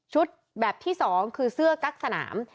แบบที่๒คือเสื้อกั๊กสนาม